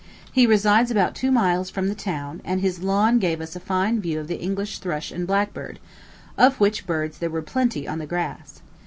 He resides about two miles from the town; and his lawn gave us a fine view of the English thrush and blackbird, of which birds there were plenty on the grass.